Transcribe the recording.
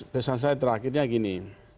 pesan saya terakhirnya gini